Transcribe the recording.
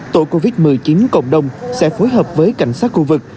tổ covid một mươi chín cộng đồng sẽ phối hợp với cảnh sát khu vực